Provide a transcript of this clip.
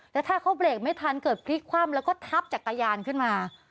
แล้วถ้าเขาเบรกไม่ทันเกิดพลิกคว่ำแล้วก็ทับจักรยานขึ้นมา